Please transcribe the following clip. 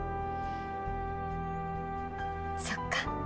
そっか。